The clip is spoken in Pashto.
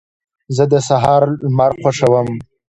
زه د سهار لمر خوښوم.